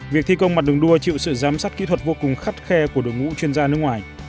việc thi công mặt đường đua chịu sự giám sát kỹ thuật vô cùng khắt khe của đội ngũ chuyên gia nước ngoài